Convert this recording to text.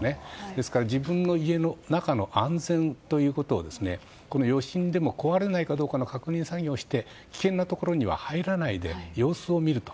ですから自分の家の中の安全ということを余震でも壊れないかの確認作業をして危険なところには入らないで様子を見ると。